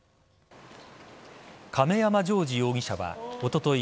亀山譲治容疑者はおととい